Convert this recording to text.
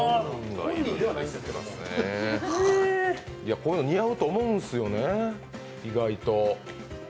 こういうの似合うと思うんですよね、意外と。